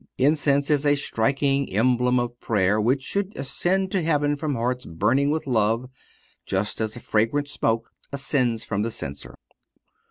Incense is a striking emblem of prayer, which should ascend to heaven from hearts burning with love, just as the fragrant smoke ascends from the censer.